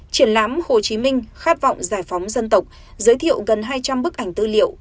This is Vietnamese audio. triển lãm hồ chí minh khát vọng giải phóng dân tộc giới thiệu gần hai trăm linh bức ảnh tư liệu